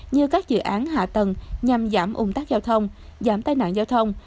như các dự án hạ tầng nhằm giảm ung tắc giao thông giảm tai nạn giao thông